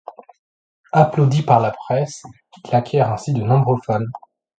Applaudi par la presse, il acquiert ainsi de nombreux fans.